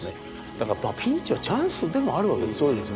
だからピンチはチャンスでもあるわけですね。